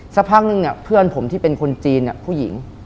สักพักนึงเนี่ยเพื่อนผมที่เป็นคนจีนผู้หญิง